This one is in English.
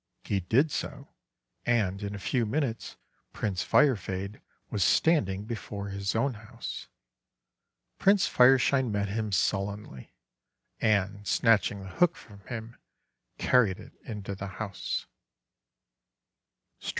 He did so, and in a few minutes Prince Firefade was standing before his own house. Prince Fire shine met him sullenly, and, snatching the hook from him, carried it into the house.